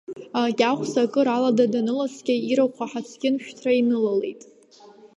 Кьаӷәса, акыр алада даныласкьа, ирахә аҳацкьын шәҭра инылалеит.